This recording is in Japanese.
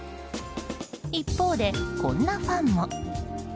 一方で、こんなファンも。